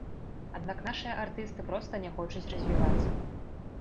Аднак нашыя артысты проста не хочуць развівацца.